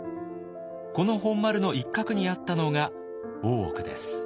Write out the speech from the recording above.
この本丸の一角にあったのが大奥です。